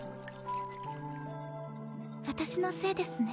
私のせいですね。